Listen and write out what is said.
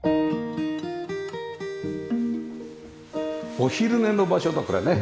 お昼寝の場所だこれね。